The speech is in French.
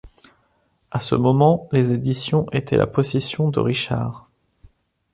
À ce moment, les éditions étaient la possession de Richards.